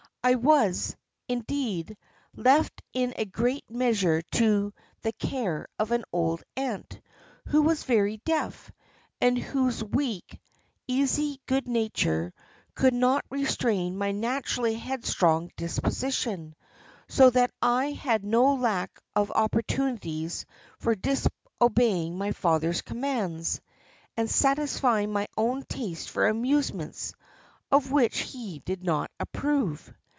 I was, indeed, left in a great measure to the care of an old aunt, who was very deaf, and whose weak, easy good nature could not restrain my naturally headstrong disposition, so that I had no lack of opportunities for disobeying my father's commands, and satisfying my own taste for amusements of which he did not approve.